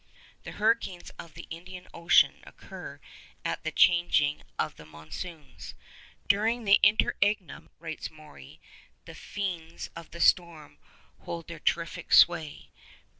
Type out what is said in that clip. The hurricanes of the Indian Ocean occur at the 'changing of the monsoons.' 'During the interregnum,' writes Maury, 'the fiends of the storm hold their terrific sway.